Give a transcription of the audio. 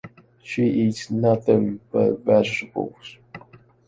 She eats nothing but vegetables.